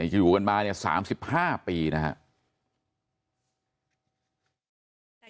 อยู่กันมา๓๕ปีนะฮะ